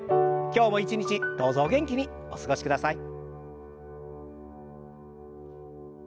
今日も一日どうぞお元気にお過ごしください。